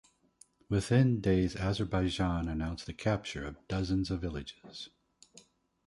Within days Azerbaijan announced the capture of dozens of villages.